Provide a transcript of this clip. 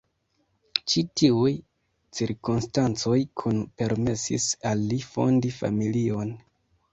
Ĉi tiuj cirkonstancoj nun permesis al li fondi familion.